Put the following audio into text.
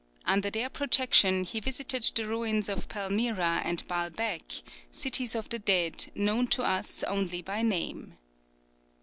Under their protection he visited the ruins of Palmyra and Baalbec, cities of the dead, known to us only by name.